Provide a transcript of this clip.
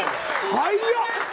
早っ！